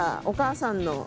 お母さんの。